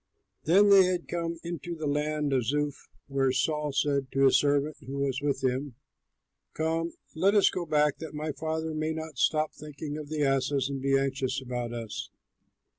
They had come into the land of Zuph when Saul said to his servant who was with him, "Come, let us go back, that my father may not stop thinking of the asses and be anxious about us."